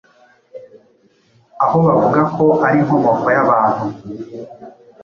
aho bavuga ko ari inkomoko y'abantu